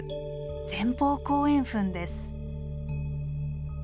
前方後円墳です。